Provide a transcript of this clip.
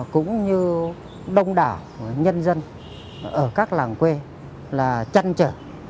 cũng như đông đảo nhân dân ở các làng quê là chăn trở